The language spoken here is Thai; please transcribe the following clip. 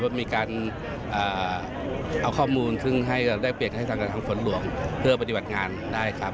มีการเอาข้อมูลซึ่งให้ได้เปรียบให้ทางกับทางฝนหลวงเพื่อปฏิบัติงานได้ครับ